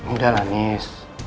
udah lah nis